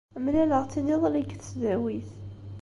Mlaleɣ-tt-id iḍelli deg tesdawit.